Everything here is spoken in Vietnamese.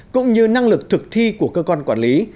cũng như năng lực thực thi của cơ quan quản lý